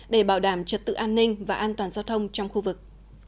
để bảo đảm trật tự an ninh và an toàn giao thông trong khu vực